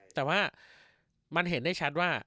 แต่ว่ามันเห็นได้ชัดว่า